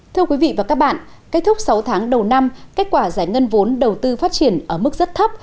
thưa quý vị và các bạn kết thúc sáu tháng đầu năm kết quả giải ngân vốn đầu tư phát triển ở mức rất thấp